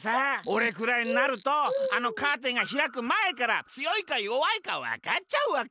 おれくらいになるとあのカーテンがひらくまえからつよいかよわいかわかっちゃうわけ！